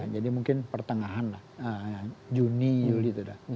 jadi mungkin pertengahan lah juni juli itu dah